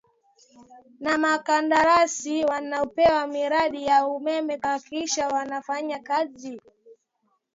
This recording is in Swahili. na makandarasi wanaopewa miradi ya umeme kuhakikisha wanafanya kazi